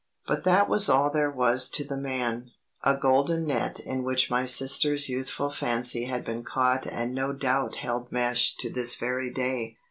But that was all there was to the man, a golden net in which my sister's youthful fancy had been caught and no doubt held meshed to this very day.